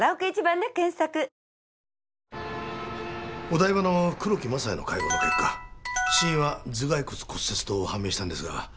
お台場の黒木政也の解剖の結果死因は頭蓋骨骨折と判明したんですが。